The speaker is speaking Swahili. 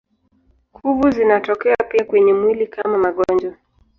Kuvu zinatokea pia kwenye mwili kama magonjwa.